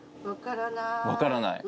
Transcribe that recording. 分からない？